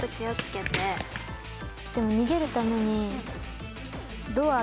でも逃げるために確かに。